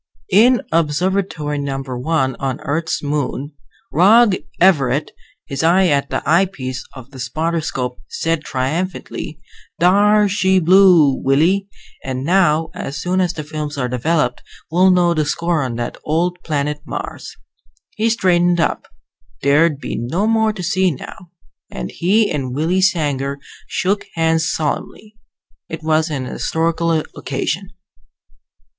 In Observatory No. 1 on Earth's moon, Rog Everett, his eye at the eyepiece of the spotter scope, said triumphantly, "Thar she blew, Willie. And now, as soon as the films are developed, we'll know the score on that old planet Mars." He straightened up there'd be no more to see now and he and Willie Sanger shook hands solemnly. It was an historical occasion.